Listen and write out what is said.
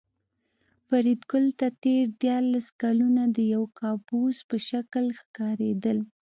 فریدګل ته تېر دیارلس کلونه د یو کابوس په شکل ښکارېدل